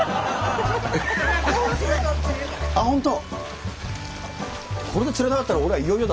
あっ本当？